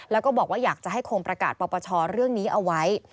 แล้วก็บอกว่าอยากจะให้คงประกาศปปชเรื่องนี้เอาไว้